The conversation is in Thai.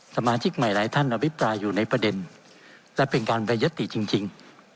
สมาชิกใหม่หลายท่านอภิปรายอยู่ในประเด็นและเป็นการไปยติจริง